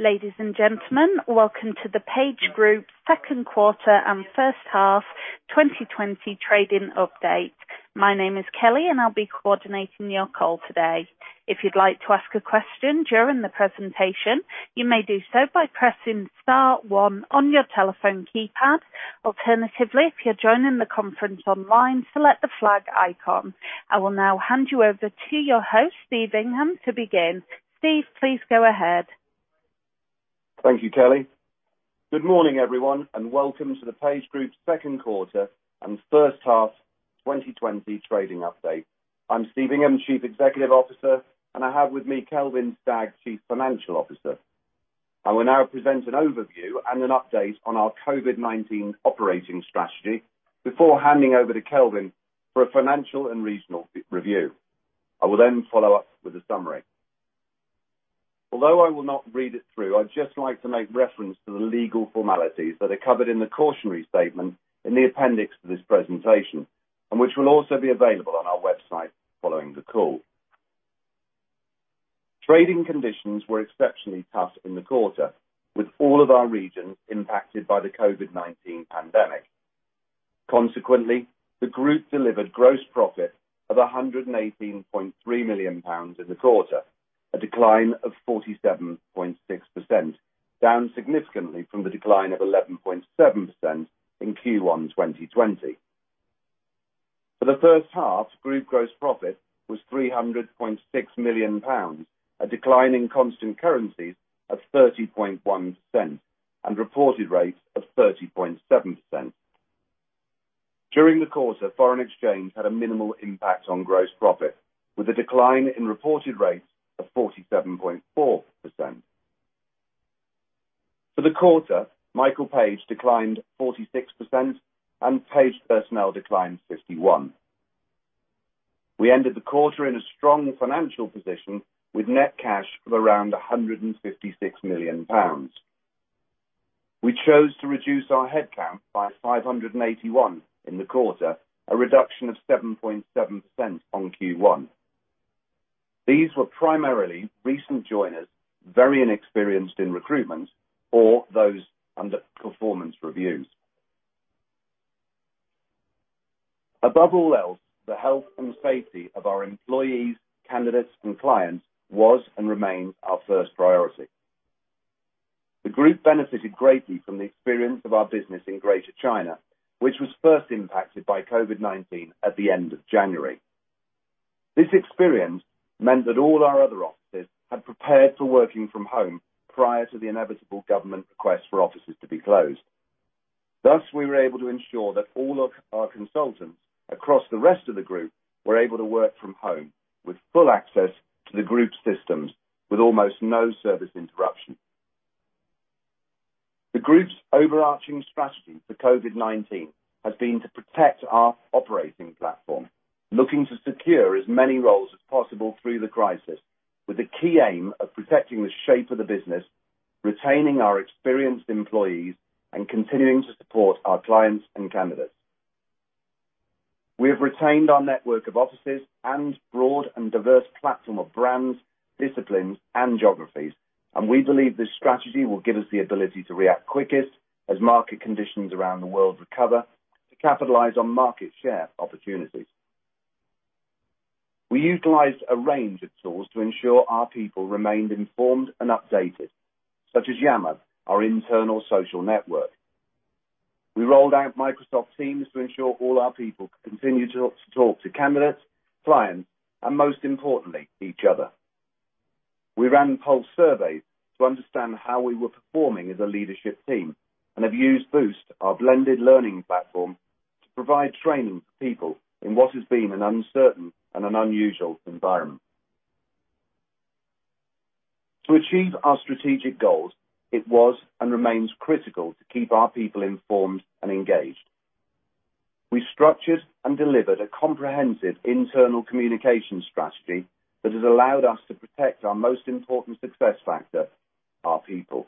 Ladies and gentlemen, welcome to the PageGroup second quarter and first half 2020 trading update. My name is Kelly and I'll be coordinating your call today. If you'd like to ask a question during the presentation, you may do so by pressing star one on your telephone keypad. Alternatively, if you're joining the conference online, select the flag icon. I will now hand you over to your host, Steve Ingham, to begin. Steve, please go ahead. Thank you, Kelly. Good morning, everyone, and welcome to the PageGroup second quarter and first half 2020 trading update. I'm Steve Ingham, Chief Executive Officer, and I have with me Kelvin Stagg, Chief Financial Officer. I will now present an overview and an update on our COVID-19 operating strategy before handing over to Kelvin for a financial and regional review. I will follow up with a summary. Although I will not read it through, I'd just like to make reference to the legal formalities that are covered in the cautionary statement in the appendix for this presentation, and which will also be available on our website following the call. Trading conditions were exceptionally tough in the quarter, with all of our regions impacted by the COVID-19 pandemic. Consequently, the group delivered gross profit of 118.3 million pounds in the quarter, a decline of 47.6%, down significantly from the decline of 11.7% in Q1 2020. For the first half, group gross profit was 300.6 million pounds, a decline in constant currencies of 30.1%, and reported rates of 30.7%. During the quarter, foreign exchange had a minimal impact on gross profit, with a decline in reported rates of 47.4%. For the quarter, Michael Page declined 46% and Page Personnel declined 51%. We ended the quarter in a strong financial position with net cash of around 156 million pounds. We chose to reduce our headcount by 581 in the quarter, a reduction of 7.7% on Q1. These were primarily recent joiners, very inexperienced in recruitment or those under performance reviews. Above all else, the health and safety of our employees, candidates, and clients was and remains our first priority. The group benefited greatly from the experience of our business in Greater China, which was first impacted by COVID-19 at the end of January. This experience meant that all our other offices had prepared for working from home prior to the inevitable government request for offices to be closed. Thus, we were able to ensure that all of our consultants across the rest of the group were able to work from home with full access to the group's systems with almost no service interruption. The group's overarching strategy for COVID-19 has been to protect our operating platform, looking to secure as many roles as possible through the crisis, with the key aim of protecting the shape of the business, retaining our experienced employees, and continuing to support our clients and candidates. We have retained our network of offices and broad and diverse platform of brands, disciplines, and geographies, and we believe this strategy will give us the ability to react quickest as market conditions around the world recover to capitalize on market share opportunities. We utilized a range of tools to ensure our people remained informed and updated, such as Yammer, our internal social network. We rolled out Microsoft Teams to ensure all our people could continue to talk to candidates, clients, and most importantly, each other. We ran pulse surveys to understand how we were performing as a leadership team and have used BOOST!, our blended learning platform, to provide training for people in what has been an uncertain and an unusual environment. To achieve our strategic goals, it was and remains critical to keep our people informed and engaged. We structured and delivered a comprehensive internal communication strategy that has allowed us to protect our most important success factor, our people.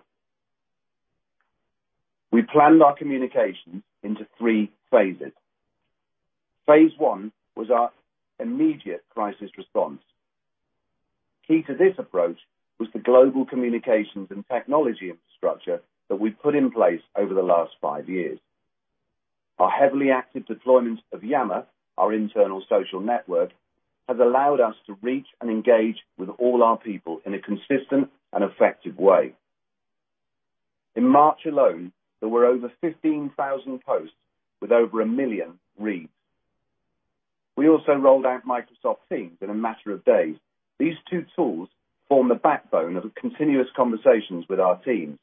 We planned our communications into three phases. Phase one was our immediate crisis response. Key to this approach was the global communications and technology infrastructure that we put in place over the last five years. Our heavily active deployment of Yammer, our internal social network, has allowed us to reach and engage with all our people in a consistent and effective way. In March alone, there were over 15,000 posts with over a million reads. We also rolled out Microsoft Teams in a matter of days. These two tools form the backbone of continuous conversations with our teams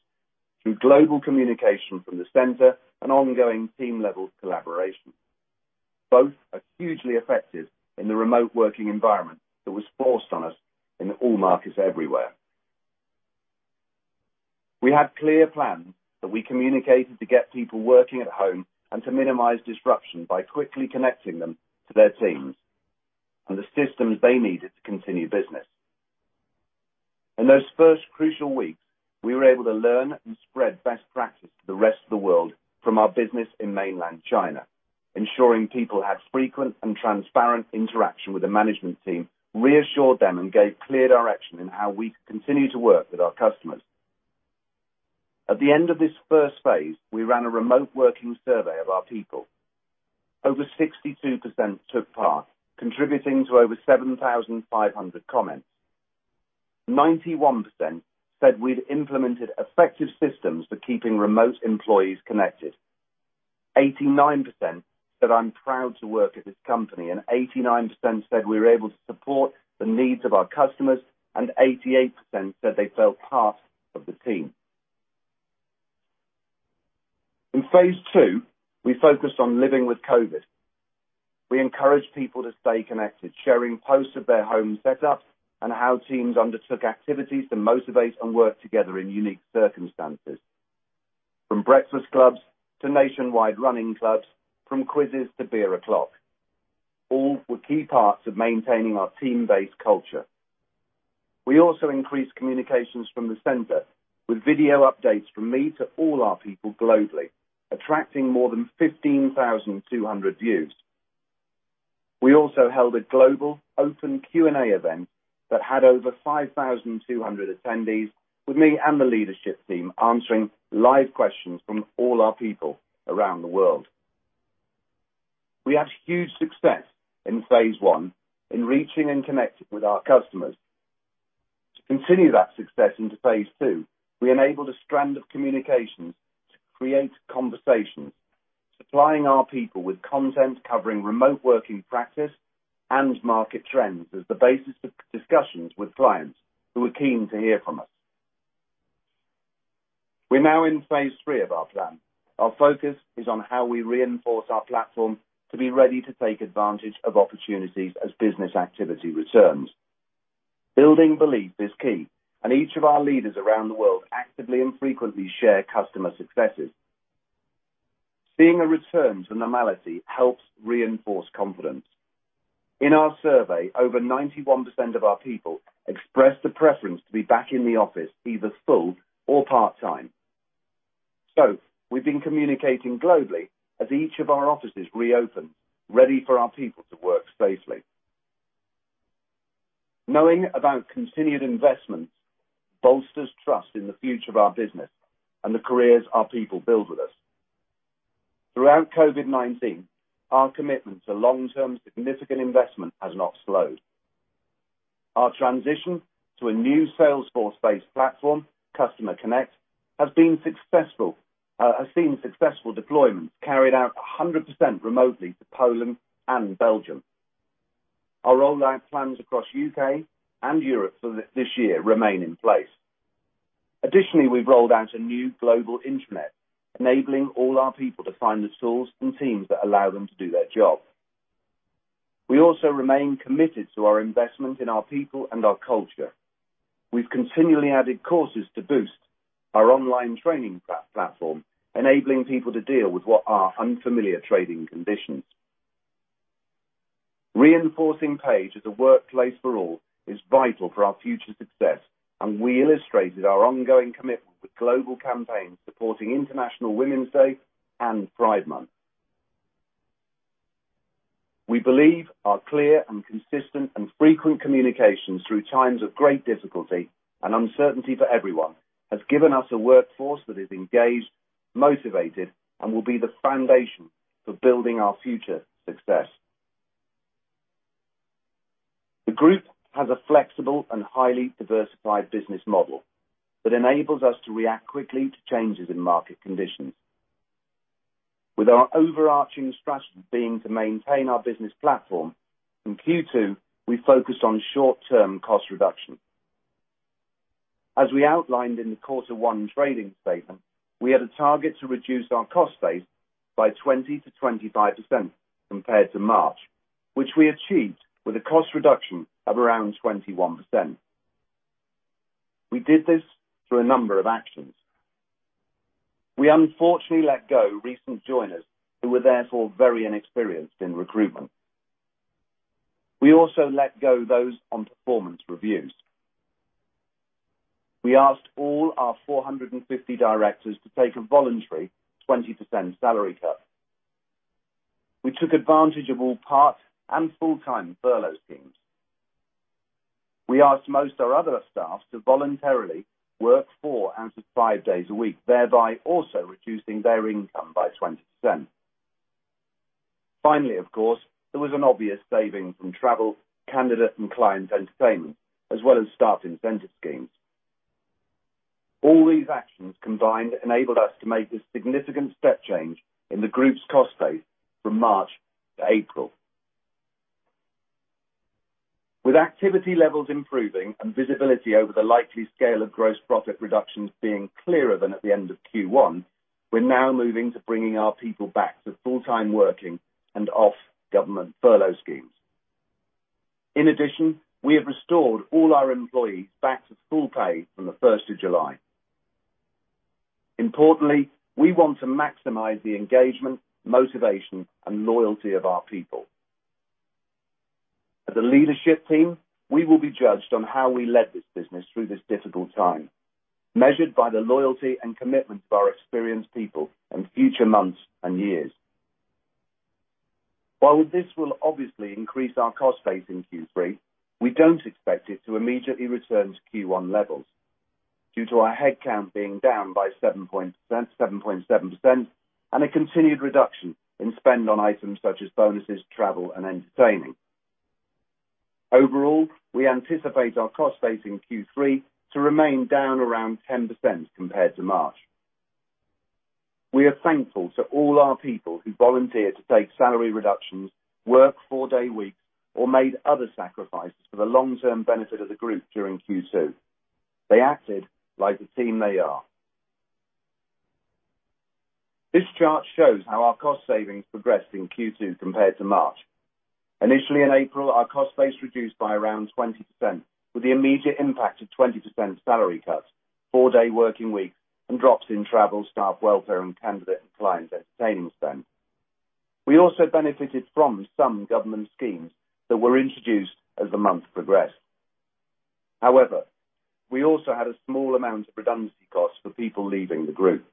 through global communication from the center and ongoing team-level collaboration. Both are hugely effective in the remote working environment that was forced on us in all markets everywhere. We had clear plans that we communicated to get people working at home and to minimize disruption by quickly connecting them to their teams and the systems they needed to continue business. In those first crucial weeks, we were able to learn and spread best practice to the rest of the world from our business in mainland China, ensuring people had frequent and transparent interaction with the management team, reassured them, and gave clear direction in how we could continue to work with our customers. At the end of this first phase, we ran a remote working survey of our people. Over 62% took part, contributing to over 7,500 comments. 91% said we'd implemented effective systems for keeping remote employees connected. 89% said, I'm proud to work at this company and 89% said we were able to support the needs of our customers, and 88% said they felt part of the team. In phase two, we focused on living with COVID. We encouraged people to stay connected, sharing posts of their home setups and how teams undertook activities to motivate and work together in unique circumstances, from breakfast clubs to nationwide running clubs, from quizzes to beer o'clock. All were key parts of maintaining our team-based culture. We also increased communications from the center with video updates from me to all our people globally, attracting more than 15,200 views. We also held a global open Q&A event that had over 5,200 attendees with me and the leadership team answering live questions from all our people around the world. We had huge success in phase one in reaching and connecting with our customers. To continue that success into phase two, we enabled a strand of communications to create conversations, supplying our people with content covering remote working practice and market trends as the basis of discussions with clients who were keen to hear from us. We're now in phase three of our plan. Our focus is on how we reinforce our platform to be ready to take advantage of opportunities as business activity returns. Building belief is key. Each of our leaders around the world actively and frequently share customer successes. Seeing a return to normality helps reinforce confidence. In our survey, over 91% of our people expressed a preference to be back in the office, either full or part-time. We've been communicating globally as each of our offices reopen, ready for our people to work safely. Knowing about continued investments bolsters trust in the future of our business and the careers our people build with us. Throughout COVID-19, our commitment to long-term significant investment has not slowed. Our transition to a new Salesforce-based platform, Customer Connect, has seen successful deployments carried out 100% remotely to Poland and Belgium. Our rollout plans across U.K. and Europe for this year remain in place. Additionally, we've rolled out a new global intranet, enabling all our people to find the tools and teams that allow them to do their job. We also remain committed to our investment in our people and our culture. We've continually added courses to BOOST!, our online training platform, enabling people to deal with what are unfamiliar trading conditions. Reinforcing Page as a workplace for all is vital for our future success, and we illustrated our ongoing commitment with global campaigns supporting International Women's Day and Pride Month. We believe our clear and consistent and frequent communications through times of great difficulty and uncertainty for everyone has given us a workforce that is engaged, motivated, and will be the foundation for building our future success. The group has a flexible and highly diversified business model that enables us to react quickly to changes in market conditions. With our overarching strategy being to maintain our business platform, in Q2, we focused on short-term cost reduction. As we outlined in the quarter one trading statement, we had a target to reduce our cost base by 20%-25% compared to March, which we achieved with a cost reduction of around 21%. We did this through a number of actions. We unfortunately let go recent joiners who were therefore very inexperienced in recruitment. We also let go those on performance reviews. We asked all our 450 directors to take a voluntary 20% salary cut. We took advantage of all part and full-time furlough schemes. We asked most our other staff to voluntarily work four out of five days a week, thereby also reducing their income by 20%. Finally, of course, there was an obvious saving from travel, candidate and client entertainment, as well as staff incentive schemes. All these actions combined enabled us to make a significant step change in the Group's cost base from March to April. With activity levels improving and visibility over the likely scale of gross profit reductions being clearer than at the end of Q1, we're now moving to bringing our people back to full-time working and off government furlough schemes. In addition, we have restored all our employees back to full-pay from the 1st of July. Importantly, we want to maximize the engagement, motivation, and loyalty of our people. As a leadership team, we will be judged on how we led this business through this difficult time, measured by the loyalty and commitment of our experienced people in future months and years. While this will obviously increase our cost base in Q3, we don't expect it to immediately return to Q1 levels due to our headcount being down by 7.7% and a continued reduction in spend on items such as bonuses, travel and entertaining. Overall, we anticipate our cost base in Q3 to remain down around 10% compared to March. We are thankful to all our people who volunteered to take salary reductions, work four-day weeks, or made other sacrifices for the long-term benefit of the group during Q2. They acted like the team they are. This chart shows how our cost savings progressed in Q2 compared to March. Initially, in April, our cost base reduced by around 20% with the immediate impact of 20% salary cuts, four-day working weeks, and drops in travel, staff welfare, and candidate and client entertaining spend. We also benefited from some government schemes that were introduced as the month progressed. However, we also had a small amount of redundancy costs for people leaving the group.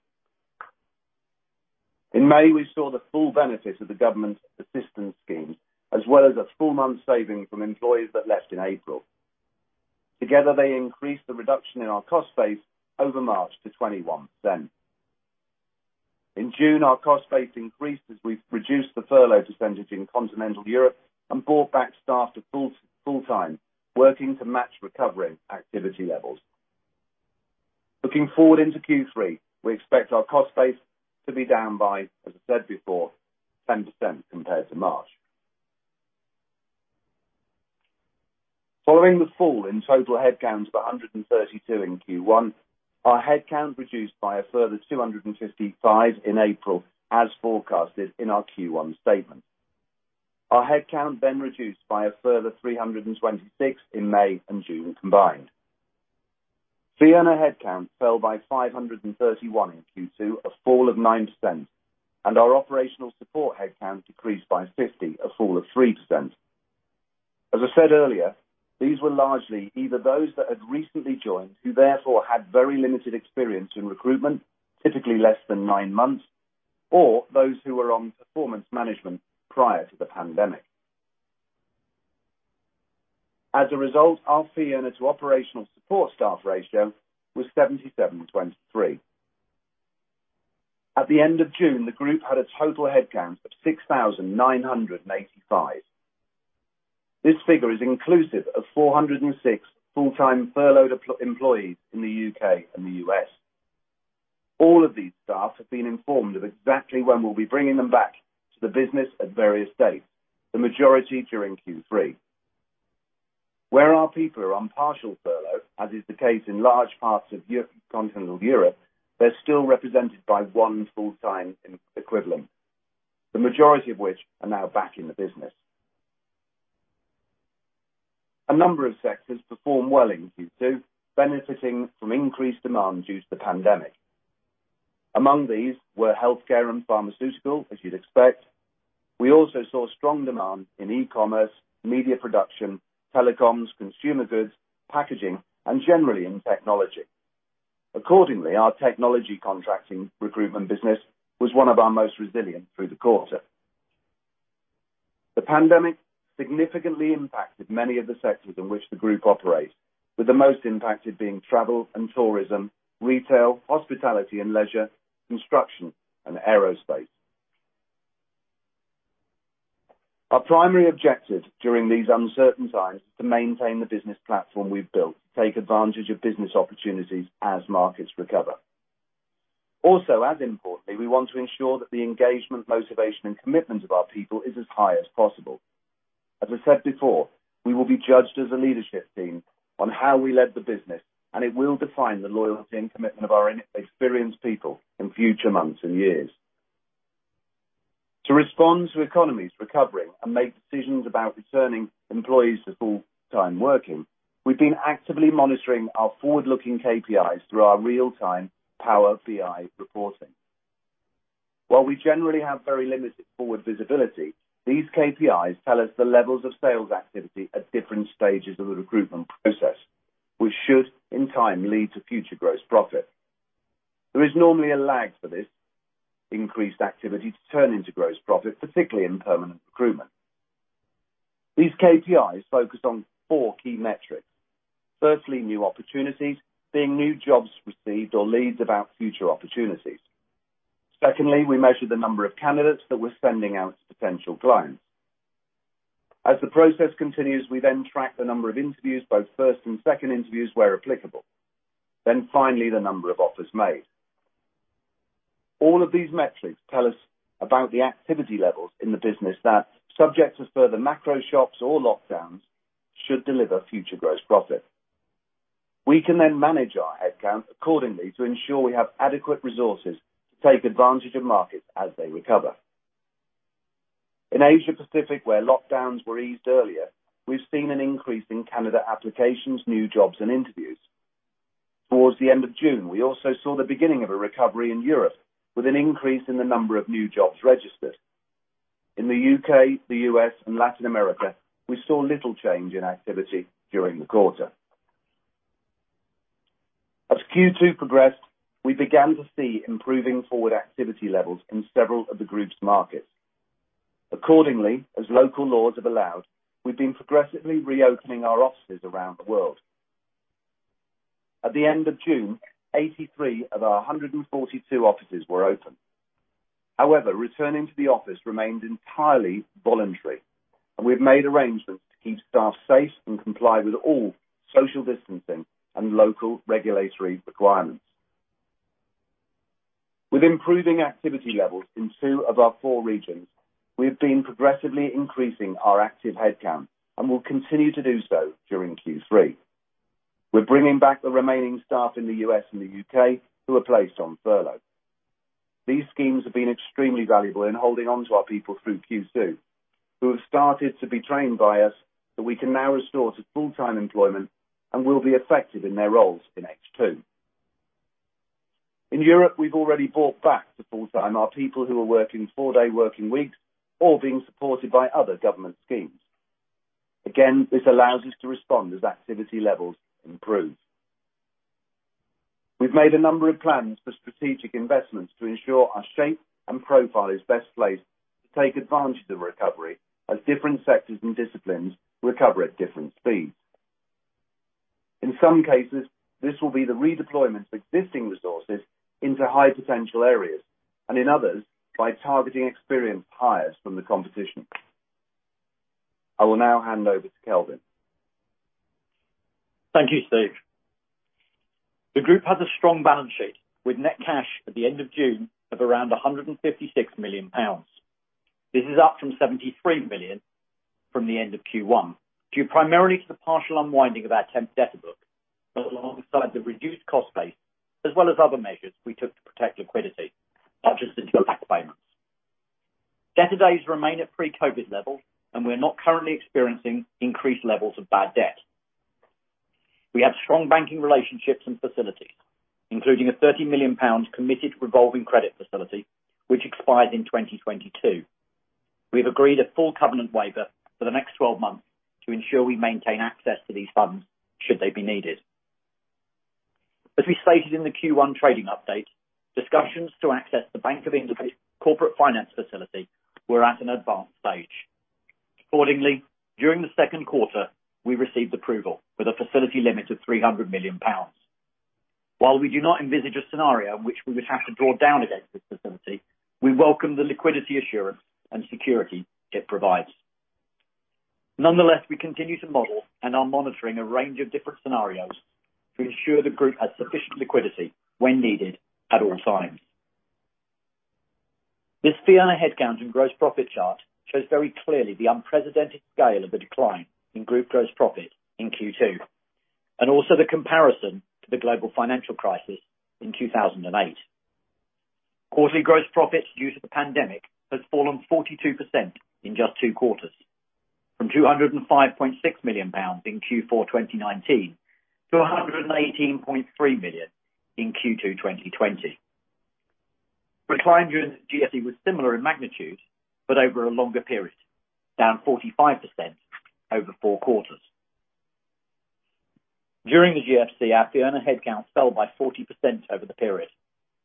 In May, we saw the full benefit of the government assistance scheme, as well as a full month saving from employees that left in April. Together, they increased the reduction in our cost base over March to 21%. In June, our cost base increased as we reduced the furlough percentage in continental Europe and brought back staff to full-time working to match recovery activity levels. Looking forward into Q3, we expect our cost base to be down by, as I said before, 10% compared to March. Following the fall in total headcount of 132 in Q1, our headcount reduced by a further 255 in April, as forecasted in our Q1 statement. Our headcount then reduced by a further 326 in May and June combined. Fee earner headcount fell by 531 in Q2, a fall of 9%, and our operational support headcount decreased by 50, a fall of 3%. As I said earlier, these were largely either those that had recently joined, who therefore had very limited experience in recruitment, typically less than nine months, or those who were on performance management prior to the pandemic. As a result, our fee earner to operational support staff ratio was 77/23. At the end of June, the group had a total headcount of 6,985. This figure is inclusive of 406 full-time furloughed employees in the U.K. and the U.S. All of these staff have been informed of exactly when we'll be bringing them back to the business at various dates, the majority during Q3. Where our people are on partial furlough, as is the case in large parts of continental Europe, they're still represented by one full-time equivalent, the majority of which are now back in the business. A number of sectors performed well in Q2, benefiting from increased demand due to the pandemic. Among these were healthcare and pharmaceutical, as you'd expect. We also saw strong demand in e-commerce, media production, telecoms, consumer goods, packaging, and generally in technology. Our technology contracting recruitment business was one of our most resilient through the quarter. The pandemic significantly impacted many of the sectors in which the group operates, with the most impacted being travel and tourism, retail, hospitality and leisure, construction, and aerospace. Our primary objective during these uncertain times is to maintain the business platform we've built to take advantage of business opportunities as markets recover. Also, as importantly, we want to ensure that the engagement, motivation, and commitment of our people is as high as possible. As I said before, we will be judged as a leadership team on how we led the business, and it will define the loyalty and commitment of our experienced people in future months and years. To respond to economies recovering and make decisions about returning employees to full-time working, we've been actively monitoring our forward-looking KPIs through our real-time Power BI reporting. While we generally have very limited forward visibility, these KPIs tell us the levels of sales activity at different stages of the recruitment process, which should, in time, lead to future gross profit. There is normally a lag for this increased activity to turn into gross profit, particularly in permanent recruitment. These KPIs focus on four key metrics. Firstly, new opportunities, being new jobs received or leads about future opportunities. Secondly, we measure the number of candidates that we're sending out to potential clients. As the process continues, we then track the number of interviews, both first and second interviews where applicable. Then finally, the number of offers made. All of these metrics tell us about the activity levels in the business that, subject to further macro shocks or lockdowns, should deliver future gross profit. We can then manage our headcount accordingly to ensure we have adequate resources to take advantage of markets as they recover. In Asia-Pacific, where lockdowns were eased earlier, we've seen an increase in candidate applications, new jobs and interviews. Towards the end of June, we also saw the beginning of a recovery in Europe with an increase in the number of new jobs registered. In the U.K., the U.S., and Latin America, we saw little change in activity during the quarter. As Q2 progressed, we began to see improving forward activity levels in several of the group's markets. Accordingly, as local laws have allowed, we've been progressively reopening our offices around the world. At the end of June, 83 of our142 offices were open. However, returning to the office remained entirely voluntary, and we've made arrangements to keep staff safe and comply with all social distancing and local regulatory requirements. With improving activity levels in two of our four regions, we've been progressively increasing our active headcount and will continue to do so during Q3. We're bringing back the remaining staff in the U.S. and the U.K. who are placed on furlough. These schemes have been extremely valuable in holding on to our people through Q2, who have started to be trained by us that we can now restore to full-time employment and will be effective in their roles in H2. In Europe, we've already brought back to full-time our people who are working four-day working weeks or being supported by other government schemes. Again, this allows us to respond as activity levels improve. We've made a number of plans for strategic investments to ensure our shape and profile is best placed to take advantage of recovery as different sectors and disciplines recover at different speeds. In some cases, this will be the redeployment of existing resources into high-potential areas, and in others, by targeting experienced hires from the competition. I will now hand over to Kelvin. Thank you, Steve. The group has a strong balance sheet with net cash at the end of June of around 156 million pounds. This is up from 73 million from the end of Q1, due primarily to the partial unwinding of our temp debtor book, alongside the reduced cost base as well as other measures we took to protect liquidity, such as the deferred tax payments. Debtor days remain at pre-COVID-19 levels, we're not currently experiencing increased levels of bad debt. We have strong banking relationships and facilities, including a GBP 30 million committed revolving credit facility, which expires in 2022. We've agreed a full covenant waiver for the next 12 months to ensure we maintain access to these funds should they be needed. As we stated in the Q1 trading update, discussions to access the Bank of England's COVID Corporate Financing Facility were at an advanced stage. Accordingly, during the second quarter, we received approval with a facility limit of 300 million pounds. While we do not envisage a scenario in which we would have to draw down against this facility, we welcome the liquidity assurance and security it provides. Nonetheless, we continue to model and are monitoring a range of different scenarios to ensure the group has sufficient liquidity when needed at all times. This figure headcount and gross profit chart shows very clearly the unprecedented scale of the decline in group gross profit in Q2, and also the comparison to the Global Financial Crisis in 2008. Quarterly gross profits due to the pandemic has fallen 42% in just two quarters, from 205.6 million pounds in Q4 2019-GBP 118.3 million in Q2 2020. Decline during the GFC was similar in magnitude but over a longer period, down 45% over four quarters. During the GFC, our fee earner headcount fell by 40% over the period,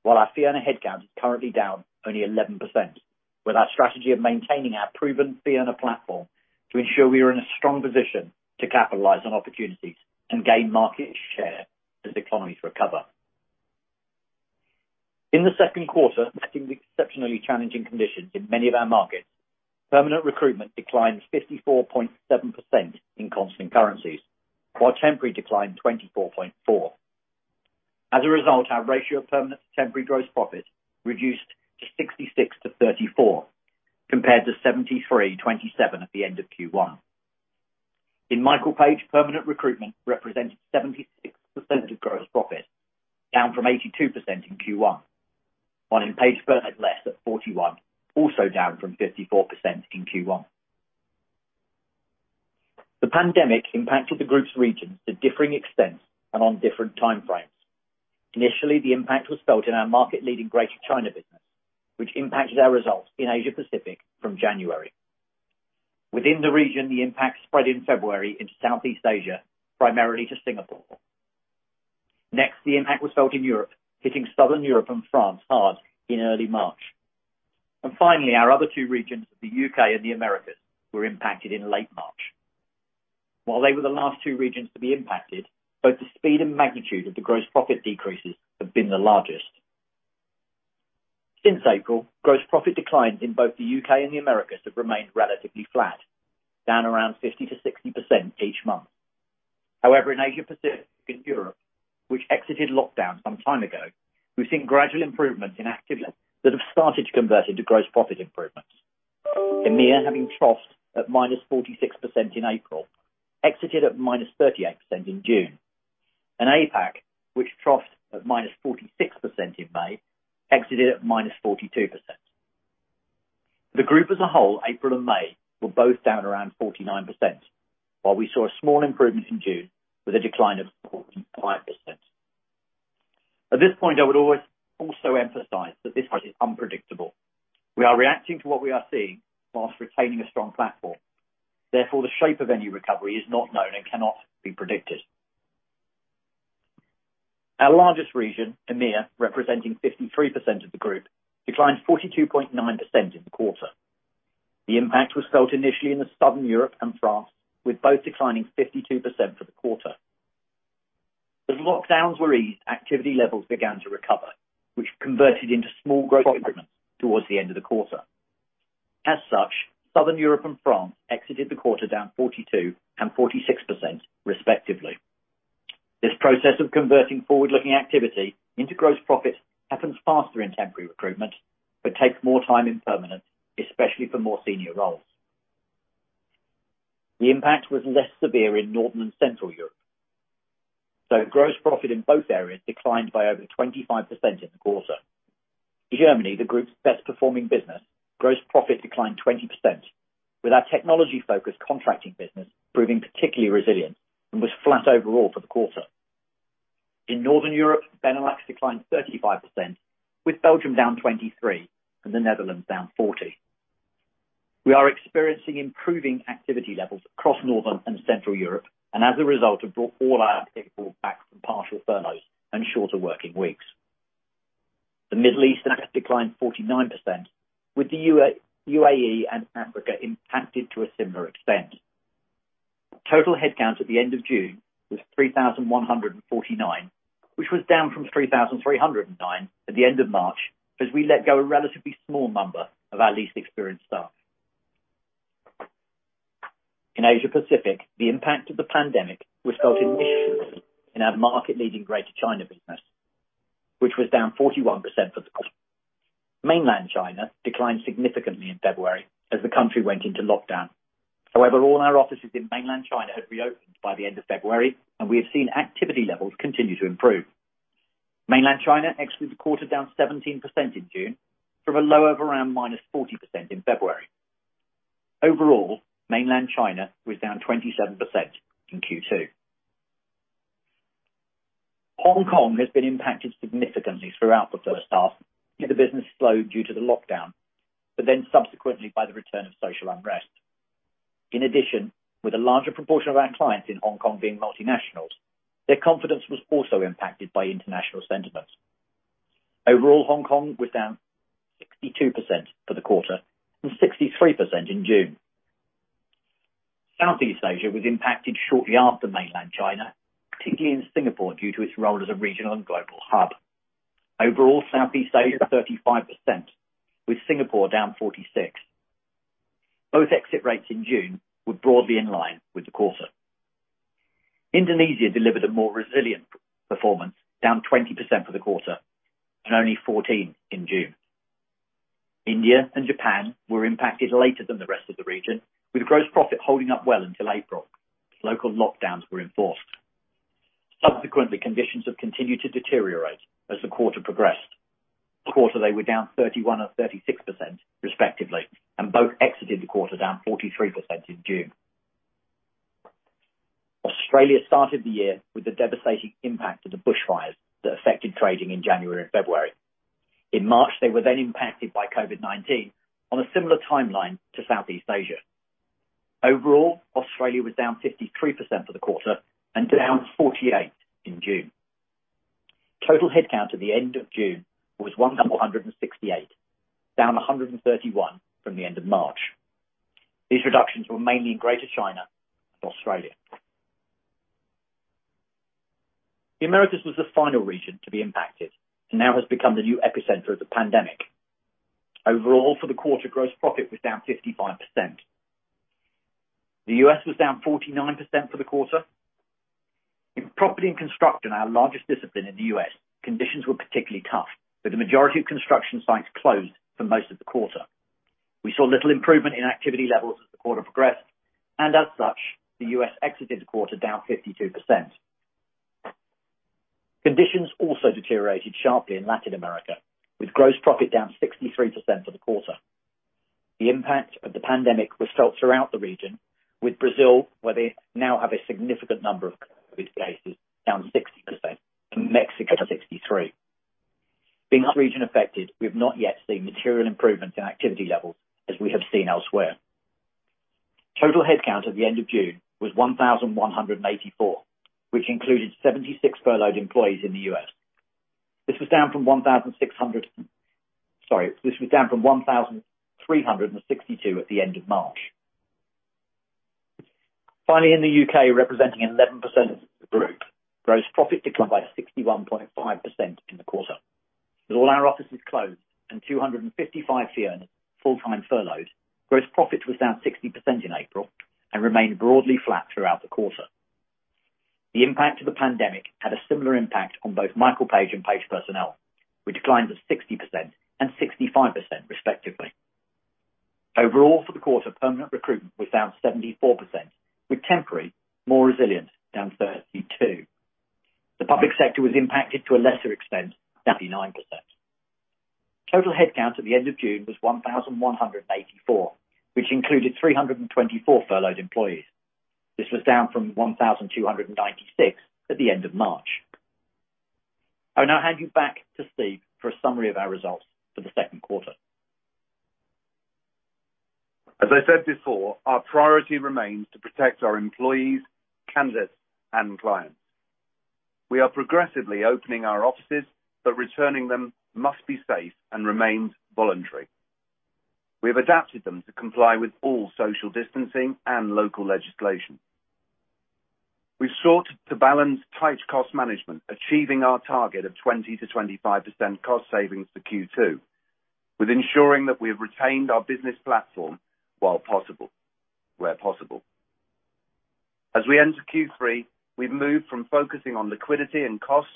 while our fee earner headcount is currently down only 11%, with our strategy of maintaining our proven fee earner platform to ensure we are in a strong position to capitalize on opportunities and gain market share as economies recover. In the second quarter, meeting the exceptionally challenging conditions in many of our markets, permanent recruitment declined 54.7% in constant currencies, while temporary declined 24.4%. As a result, our ratio of permanent to temporary gross profit reduced to 66-34, compared to 73/27 at the end of Q1. In Michael Page, permanent recruitment represented 76% of gross profit, down from 82% in Q1. While in Page had less at 41%, also down from 54% in Q1. The pandemic impacted the group's regions to differing extents and on different time frames. Initially, the impact was felt in our market-leading Greater China business, which impacted our results in Asia-Pacific from January. Within the region, the impact spread in February into Southeast Asia, primarily to Singapore. Next, the impact was felt in Europe, hitting Southern Europe and France hard in early March. Finally, our other two regions of the U.K. and the Americas were impacted in late March. While they were the last two regions to be impacted, both the speed and magnitude of the gross profit decreases have been the largest. Since April, gross profit declines in both the U.K. and the Americas have remained relatively flat, down around 50%-60% each month. However, in Asia-Pacific and Europe, which exited lockdown some time ago, we've seen gradual improvements in activities that have started to convert into gross profit improvements. EMEA, having troughed at -46% in April, exited at -38% in June. APAC, which troughs at -46% in May, exited at -42%. The group as a whole, April and May, were both down around 49%, while we saw a small improvement in June with a decline of 45%. At this point, I would also emphasize that this crisis is unpredictable. We are reacting to what we are seeing whilst retaining a strong platform. Therefore, the shape of any recovery is not known and cannot be predicted. Our largest region, EMEA, representing 53% of the group, declined 42.9% in the quarter. The impact was felt initially in the Southern Europe and France, with both declining 52% for the quarter. As lockdowns were eased, activity levels began to recover, which converted into small growth improvements towards the end of the quarter. As such, Southern Europe and France exited the quarter down 42% and 46% respectively. This process of converting forward-looking activity into gross profit happens faster in temporary recruitment, but takes more time in permanent, especially for more senior roles. The impact was less severe in Northern and Central Europe. Gross profit in both areas declined by over 25% in the quarter. Germany, the group's best performing business, gross profit declined 20%, with our technology-focused contracting business proving particularly resilient and was flat overall for the quarter. In Northern Europe, Benelux declined 35%, with Belgium down 23% and the Netherlands down 40%. We are experiencing improving activity levels across Northern and Central Europe, and as a result have brought all our people back from partial furloughs and shorter working weeks. The Middle East and Africa declined 49%, with the UAE and Africa impacted to a similar extent. Total headcount at the end of June was 3,149, which was down from 3,309 at the end of March, as we let go a relatively small number of our least experienced staff. In Asia Pacific, the impact of the pandemic was felt initially in our market-leading Greater China business, which was down 41% for the quarter. Mainland China declined significantly in February as the country went into lockdown. However, all our offices in Mainland China had reopened by the end of February, and we have seen activity levels continue to improve. Mainland China exited the quarter down 17% in June, from a low of around -40% in February. Overall, Mainland China was down 27% in Q2. Hong Kong has been impacted significantly throughout the first half. The business slowed due to the lockdown, but then subsequently by the return of social unrest. In addition, with a larger proportion of our clients in Hong Kong being multinationals, their confidence was also impacted by international sentiment. Overall, Hong Kong was down 62% for the quarter and 63% in June. Southeast Asia was impacted shortly after mainland China, particularly in Singapore, due to its role as a regional and global hub. Overall, Southeast Asia, 35%, with Singapore down 46%. Both exit rates in June were broadly in line with the quarter. Indonesia delivered a more resilient performance, down 20% for the quarter and only 14% in June. India and Japan were impacted later than the rest of the region, with gross profit holding up well until April. Local lockdowns were enforced. Subsequently, conditions have continued to deteriorate as the quarter progressed. For the quarter, they were down 31% and 36% respectively, and both exited the quarter down 43% in June. Australia started the year with the devastating impact of the bushfires that affected trading in January and February. In March, they were then impacted by COVID-19 on a similar timeline to Southeast Asia. Overall, Australia was down 53% for the quarter and down 48% in June. Total headcount at the end of June was 1,468, down 131 from the end of March. These reductions were mainly in Greater China and Australia. The Americas was the final region to be impacted and now has become the new epicenter of the pandemic. Overall, for the quarter, gross profit was down 55%. The U.S. was down 49% for the quarter. In property and construction, our largest discipline in the U.S., conditions were particularly tough, with the majority of construction sites closed for most of the quarter. We saw little improvement in activity levels as the quarter progressed, and as such, the U.S. exited the quarter down 52%. Conditions also deteriorated sharply in Latin America, with gross profit down 63% for the quarter. The impact of the pandemic was felt throughout the region, with Brazil, where they now have a significant number of COVID cases, down 60% and Mexico down 63%. [Being a region affected], we've not yet seen material improvements in activity levels as we have seen elsewhere. Total headcount at the end of June was 1,184, which included 76 furloughed employees in the U.S. This was down from 1,362 at the end of March. Finally, in the U.K., representing 11% of the group, gross profit declined by 61.5% in the quarter. With all our offices closed and 255 full-time furloughed, gross profit was down 60% in April and remained broadly flat throughout the quarter. The impact of the pandemic had a similar impact on both Michael Page and Page Personnel, with declines of 60% and 65% respectively. Overall for the quarter, permanent recruitment was down 74%, with temporary more resilient, down 32%. The public sector was impacted to a lesser extent, 39%. Total headcount at the end of June was 1,184, which included 324 furloughed employees. This was down from 1,296 at the end of March. I will now hand you back to Steve for a summary of our results for the second quarter. As I said before, our priority remains to protect our employees, candidates, and clients. We are progressively opening our offices. Returning them must be safe and remains voluntary. We have adapted them to comply with all social distancing and local legislation. We've sought to balance tight cost management, achieving our target of 20%-25% cost savings for Q2, with ensuring that we have retained our business platform where possible. As we enter Q3, we've moved from focusing on liquidity and costs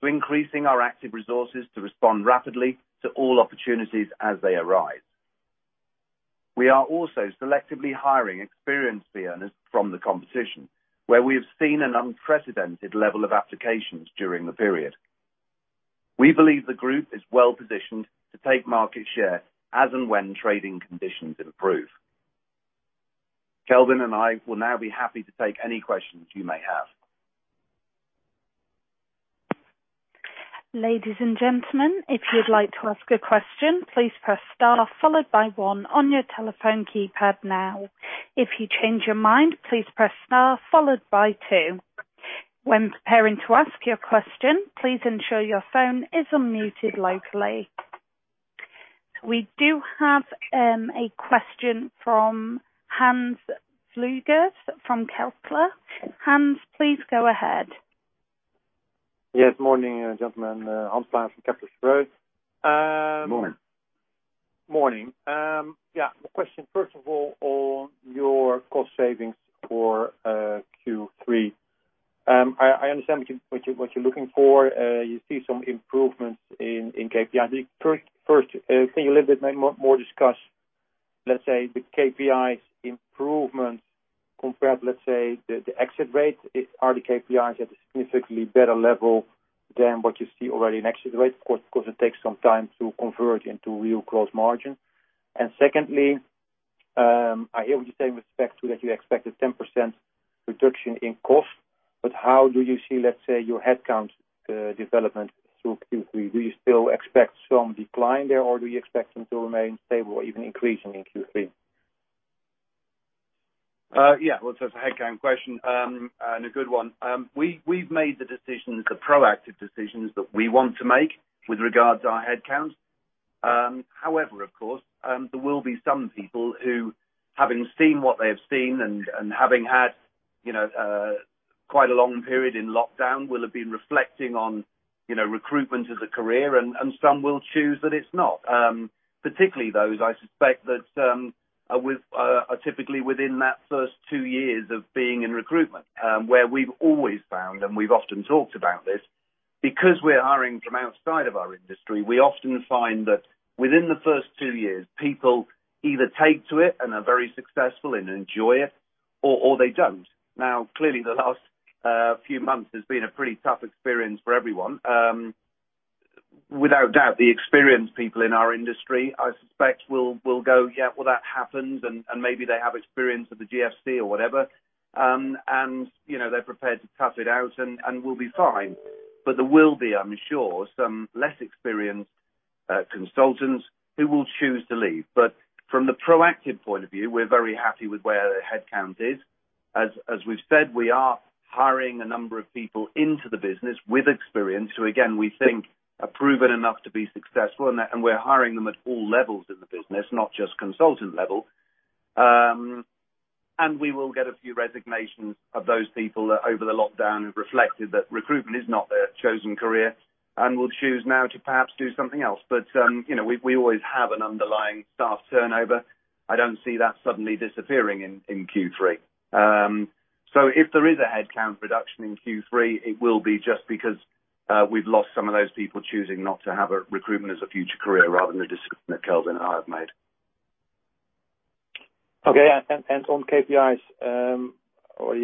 to increasing our active resources to respond rapidly to all opportunities as they arise. We are also selectively hiring experienced fee earners from the competition, where we have seen an unprecedented level of applications during the period. We believe the group is well-positioned to take market share as and when trading conditions improve. Kelvin and I will now be happy to take any questions you may have. Ladies and gentlemen, if you'd like to ask a question, please press star followed by one on your telephone keypad now. If you change your mind, please press star followed by two. When preparing to ask your question, please ensure your phone is unmuted locally. We do have a question from Hans Pluijgers from Kepler. Hans, please go ahead. Yes, morning, gentlemen. Uncertain Morning. Morning. Yeah, the question first of all on your cost savings for Q3. I understand what you're looking for. You see some improvements in KPI. First, can you a little bit more discuss, let's say, the KPIs improvements compared, let's say, the exit rate? Are the KPIs at a significantly better level than what you see already in exit rate? Of course, it takes some time to convert into real gross margin. Secondly, I hear what you say with respect to that you expect a 10% reduction in cost. How do you see, let's say, your headcount development through Q3? Do you still expect some decline there, or do you expect them to remain stable or even increasing in Q3? Yeah. Well, for headcount question, and a good one. We've made the decisions, the proactive decisions that we want to make with regards our headcount. However, of course, there will be some people who, having seen what they have seen and having had quite a long period in lockdown, will have been reflecting on recruitment as a career, and some will choose that it's not. Particularly those, I suspect, that are typically within that first two years of being in recruitment, where we've always found, and we've often talked about this, because we're hiring from outside of our industry, we often find that within the first two years, people either take to it and are very successful and enjoy it, or they don't. Now, clearly, the last few months has been a pretty tough experience for everyone. Without doubt, the experienced people in our industry, I suspect, will go, Yeah, well, that happens and maybe they have experience with the GFC or whatever, and they're prepared to tough it out and will be fine. There will be, I'm sure, some less experienced consultants who will choose to leave. From the proactive point of view, we're very happy with where the headcount is. As we've said, we are hiring a number of people into the business with experience, who again, we think are proven enough to be successful, and we're hiring them at all levels of the business, not just consultant level. We will get a few resignations of those people that over the lockdown have reflected that recruitment is not their chosen career and will choose now to perhaps do something else. We always have an underlying staff turnover. I don't see that suddenly disappearing in Q3. If there is a headcount reduction in Q3, it will be just because we've lost some of those people choosing not to have recruitment as a future career rather than the decision that Kelvin and I have made. Okay. On KPIs, or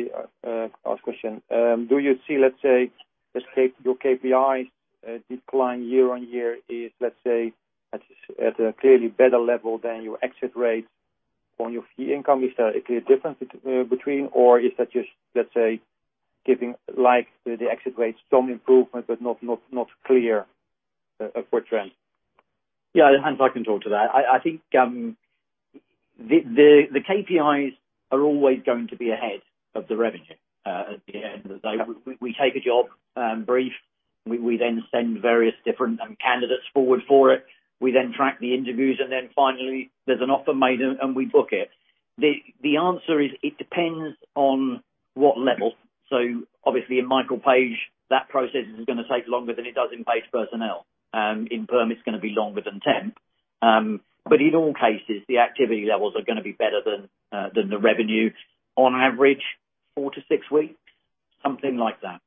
last question. Do you see, let's say, your KPIs decline year-on-year is, let's say, at a clearly better level than your exit rates on your fee income? Is there a clear difference between, or is that just, let's say, giving like the exit rates some improvement but not clear of a trend? Yeah, Hans, I can talk to that. I think the KPIs are always going to be ahead of the revenue at the end of the day. We take a job, brief. We send various different candidates forward for it. We track the interviews, finally there's an offer made, we book it. The answer is it depends on what level. Obviously in Michael Page, that process is going to take longer than it does in Page Personnel. In perm, it's going to be longer than temp. In all cases, the activity levels are going to be better than the revenue. On average, four-six weeks, something like that.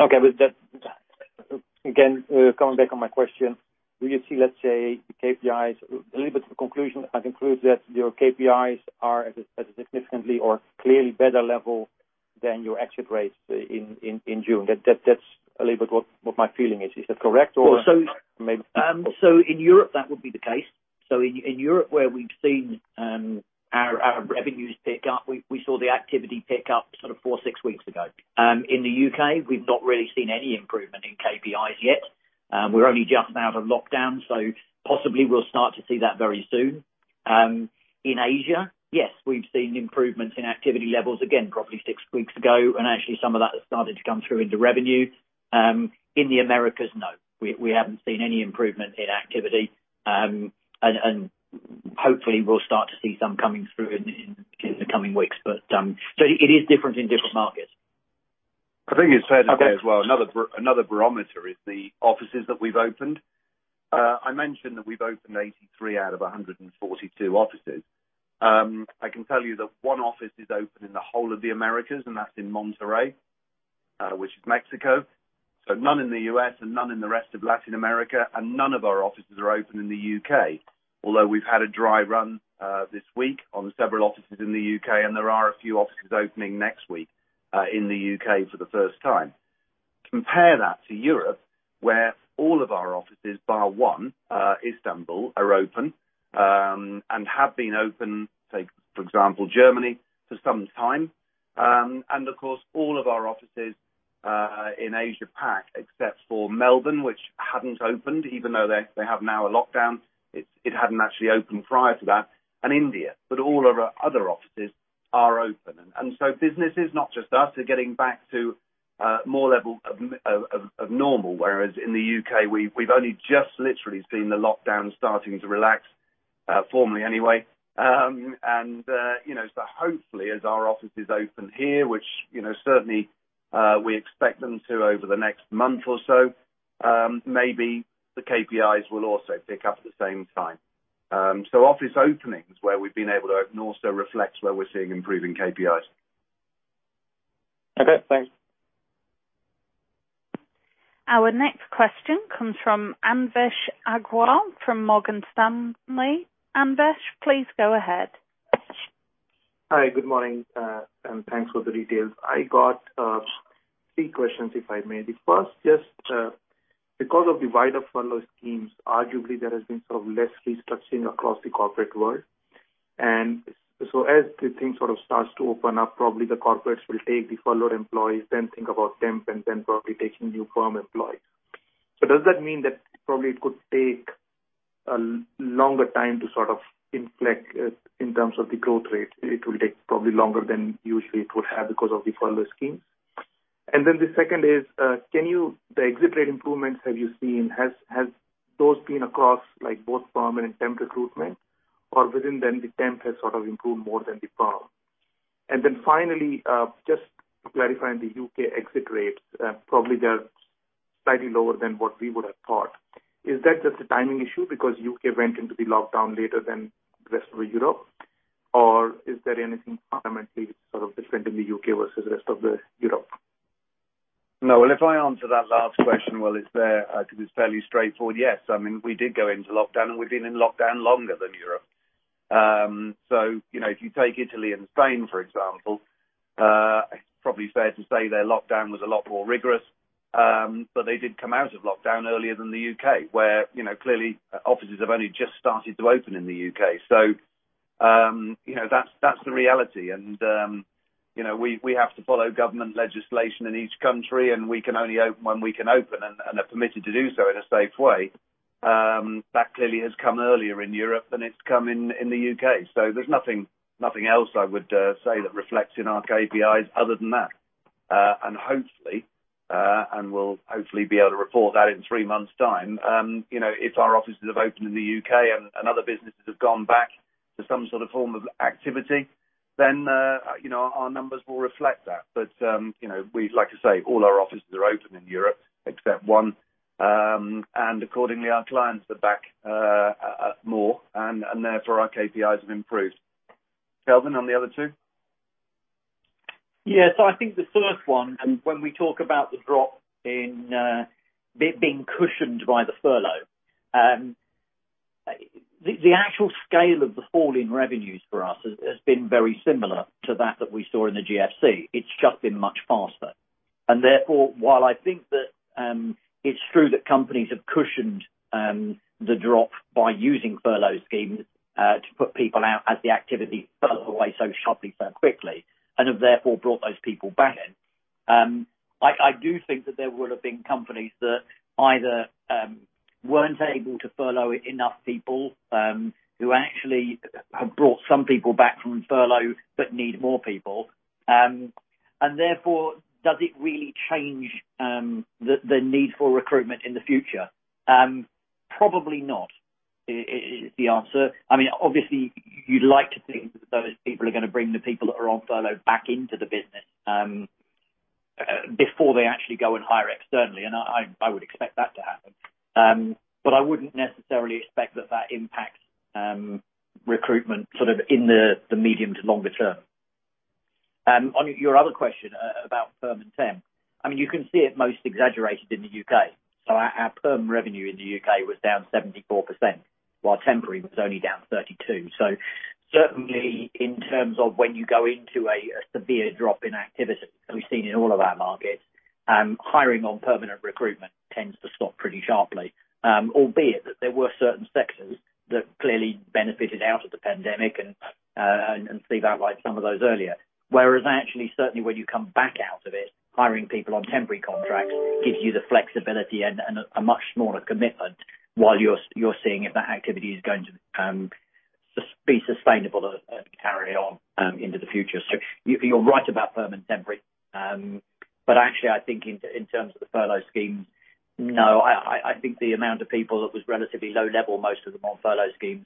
Okay. Again, coming back on my question, do you see, let's say, KPIs a little bit to conclusion? I conclude that your KPIs are at a significantly or clearly better level than your exit rates in June. That's a little bit what my feeling is. Is that correct or maybe? In Europe that would be the case. In Europe where we've seen our revenues pick up, we saw the activity pick up sort of four, six weeks ago. In the U.K., we've not really seen any improvement in KPIs yet. We're only just out of lockdown, so possibly we'll start to see that very soon. In Asia, yes, we've seen improvements in activity levels again, probably six weeks ago, and actually some of that has started to come through into revenue. In the Americas, no. We haven't seen any improvement in activity. Hopefully we'll start to see some coming through in the coming weeks. It is different in different markets. I think it's fair to say as well, another barometer is the offices that we've opened. I mentioned that we've opened 83 out of 142 offices. I can tell you that one office is open in the whole of the Americas, and that's in Monterrey, which is Mexico. None in the U.S. and none in the rest of Latin America, and none of our offices are open in the U.K., although we've had a dry run this week on several offices in the U.K. and there are a few offices opening next week in the U.K. for the first time. Compare that to Europe, where all of our offices bar one, Istanbul, are open, and have been open, say, for example, Germany, for some time. Of course, all of our offices in Asia Pac, except for Melbourne, which hadn't opened even though they have now a lockdown. It hadn't actually opened prior to that, and India. All of our other offices are open. Businesses, not just us, are getting back to more level of normal. Whereas in the U.K., we've only just literally seen the lockdown starting to relax, formally anyway. Hopefully as our offices open here, which certainly we expect them to over the next month or so, maybe the KPIs will also pick up at the same time. Office openings where we've been able to open also reflects where we're seeing improving KPIs. Okay, thanks. Our next question comes from Anvesh Agrawal from Morgan Stanley. Anvesh, please go ahead. Hi, good morning, and thanks for the details. I got three questions, if I may. The first, just because of the wider furlough schemes, arguably there has been sort of less restructuring across the corporate world. As the thing sort of starts to open up, probably the corporates will take the furloughed employees, then think about temp and then probably taking new perm employees. Does that mean that probably it could take a longer time to sort of inflect in terms of the growth rate? It will take probably longer than usually it would have because of the furlough schemes. The second is, the exit rate improvements that you've seen, has those been across both perm and temp recruitment or within the temp has sort of improved more than the perm? Finally, just clarifying the U.K. exit rates, probably they're slightly lower than what we would have thought. Is that just a timing issue because U.K. went into the lockdown later than the rest of Europe? Is there anything fundamentally sort of different in the U.K. versus the rest of the Europe? No. Well, if I answer that last question, well, it's there because it's fairly straightforward. Yes. I mean, we did go into lockdown, and we've been in lockdown longer than Europe. If you take Italy and Spain, for example, it's probably fair to say their lockdown was a lot more rigorous. They did come out of lockdown earlier than the U.K., where clearly, offices have only just started to open in the U.K. That's the reality, and we have to follow government legislation in each country, and we can only open when we can open and are permitted to do so in a safe way. That clearly has come earlier in Europe than it's come in the U.K. There's nothing else I would say that reflects in our KPIs other than that. We'll hopefully be able to report that in three months time. If our offices have opened in the U.K. and other businesses have gone back to some sort of form of activity, then our numbers will reflect that. Like I say, all our offices are open in Europe except one. Accordingly, our clients are back more, and therefore our KPIs have improved. Kelvin, on the other two? Yeah. I think the first one, when we talk about the drop being cushioned by the furlough. The actual scale of the fall in revenues for us has been very similar to that that we saw in the GFC. It's just been much faster. Therefore, while I think that it's true that companies have cushioned the drop by using furlough schemes to put people out as the activity fell away so sharply, so quickly, and have therefore brought those people back in. I do think that there will have been companies that either weren't able to furlough enough people, who actually have brought some people back from furlough but need more people. Therefore, does it really change the need for recruitment in the future? Probably not, is the answer. I mean, obviously you'd like to think that those people are going to bring the people that are on furlough back into the business before they actually go and hire externally, and I would expect that to happen. I wouldn't necessarily expect that that impacts recruitment in the medium to longer term. On your other question about perm and temp, you can see it most exaggerated in the U.K. Our perm revenue in the U.K. was down 74%, while temporary was only down 32%. Certainly, in terms of when you go into a severe drop in activity, as we've seen in all of our markets, hiring on permanent recruitment tends to stop pretty sharply. Albeit that there were certain sectors that clearly benefited out of the COVID-19 and Steve outlined some of those earlier. Actually, certainly when you come back out of it, hiring people on temporary contracts gives you the flexibility and a much smaller commitment while you're seeing if that activity is going to be sustainable and carry on into the future. You're right about perm and temporary. Actually, I think in terms of the furlough schemes, no. I think the amount of people that was relatively low level, most of them on furlough schemes,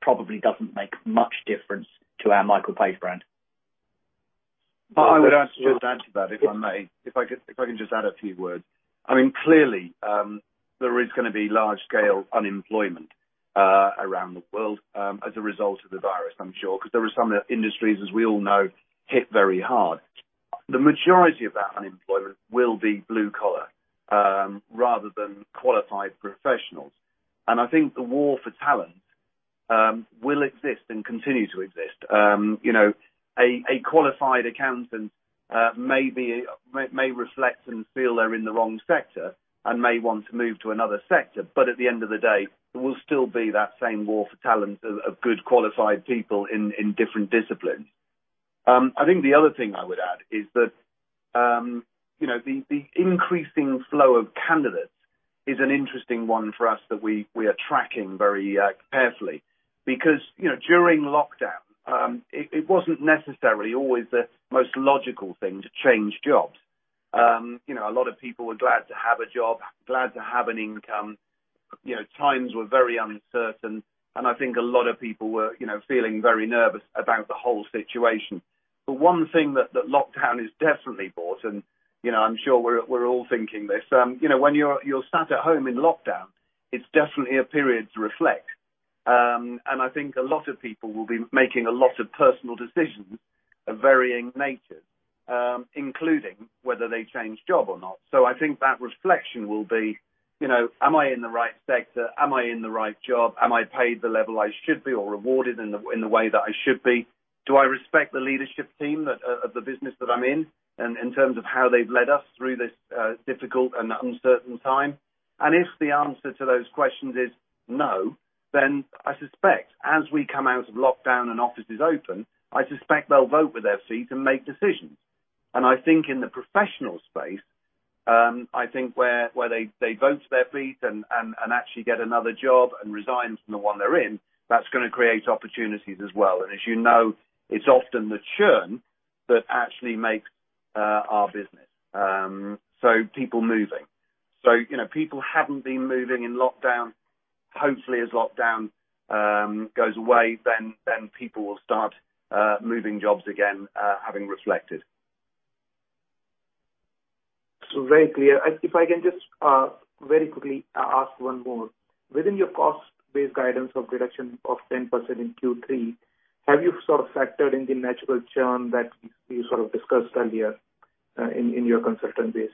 probably doesn't make much difference to our Michael Page brand. I would just add to that, if I may. If I can just add a few words. Clearly, there is going to be large-scale unemployment around the world as a result of the virus, I'm sure, because there are some industries, as we all know, hit very hard. The majority of that unemployment will be blue collar rather than qualified professionals. I think the war for talent will exist and continue to exist. A qualified accountant may reflect and feel they're in the wrong sector and may want to move to another sector, but at the end of the day, there will still be that same war for talent of good qualified people in different disciplines. I think the other thing I would add is that the increasing flow of candidates is an interesting one for us that we are tracking very carefully because during lockdown, it wasn't necessarily always the most logical thing to change jobs. A lot of people were glad to have a job, glad to have an income. Times were very uncertain. I think a lot of people were feeling very nervous about the whole situation. One thing that lockdown has definitely brought, and I'm sure we're all thinking this, when you're sat at home in lockdown, it's definitely a period to reflect. I think a lot of people will be making a lot of personal decisions of varying natures, including whether they change job or not. I think that reflection will be, am I in the right sector? Am I in the right job? Am I paid the level I should be or rewarded in the way that I should be? Do I respect the leadership team of the business that I'm in in terms of how they've led us through this difficult and uncertain time? If the answer to those questions is no, then I suspect as we come out of lockdown and offices open, I suspect they'll vote with their feet and make decisions. I think in the professional space, I think where they vote with their feet and actually get another job and resign from the one they're in, that's going to create opportunities as well. As you know, it's often the churn that actually makes our business. People moving. People haven't been moving in lockdown. Hopefully, as lockdown goes away, then people will start moving jobs again, having reflected. Very clear. If I can just very quickly ask one more. Within your cost base guidance of reduction of 10% in Q3, have you sort of factored in the natural churn that you sort of discussed earlier in your consultant base?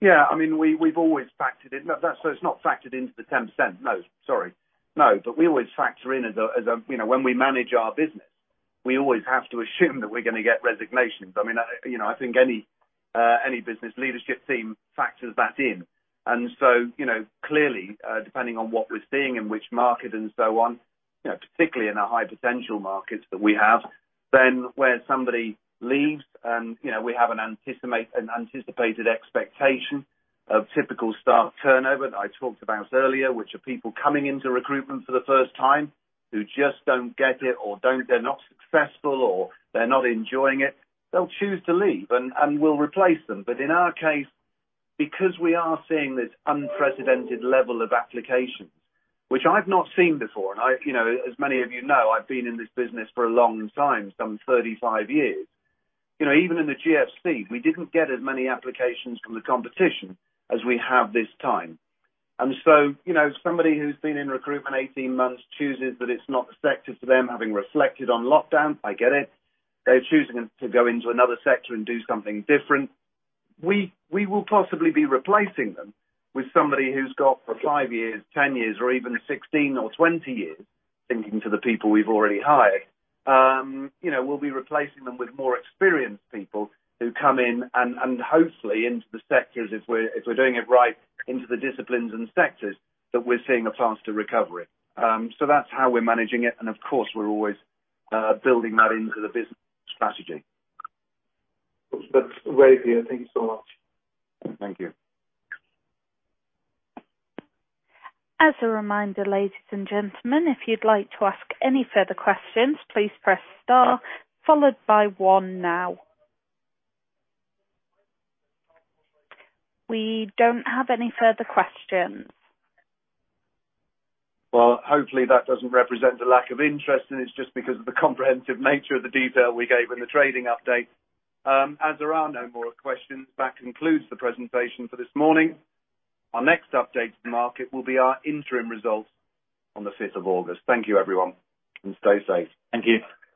Yeah, we've always factored it. It's not factored into the 10%, no. Sorry. We always factor in. When we manage our business, we always have to assume that we're going to get resignations. I think any business leadership team factors that in. Clearly, depending on what we're seeing in which market and so on, particularly in our high-potential markets that we have, then where somebody leaves and we have an anticipated expectation of typical staff turnover that I talked about earlier, which are people coming into recruitment for the first time who just don't get it or they're not successful or they're not enjoying it, they'll choose to leave, and we'll replace them. In our case, because we are seeing this unprecedented level of applications, which I've not seen before, and as many of you know, I've been in this business for a long time, some 35 years. Even in the GFC, we didn't get as many applications from the competition as we have this time. Somebody who's been in recruitment 18 months chooses that it's not the sector for them, having reflected on lockdown, I get it. They're choosing to go into another sector and do something different. We will possibly be replacing them with somebody who's got five years, 10 years, or even 16 or 20 years, thinking to the people we've already hired. We'll be replacing them with more experienced people who come in and hopefully into the sectors, if we're doing it right, into the disciplines and sectors that we're seeing a faster recovery. That's how we're managing it, and of course, we're always building that into the business strategy. That's great to hear. Thank you so much. Thank you. As a reminder, ladies and gentlemen, if you'd like to ask any further questions, please press star followed by one now. We don't have any further questions. Well, hopefully, that doesn't represent a lack of interest, and it's just because of the comprehensive nature of the detail we gave in the trading update. As there are no more questions, that concludes the presentation for this morning. Our next update to the market will be our interim results on the 5th of August. Thank you, everyone, and stay safe. Thank you.